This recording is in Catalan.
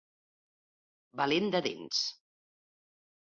Valent de dents.